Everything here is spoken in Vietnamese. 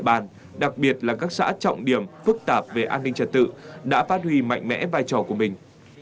địa bàn đặc biệt là các xã trọng điểm phức tạp về an ninh trật tự đã phát huy mạnh mẽ vai trò của mình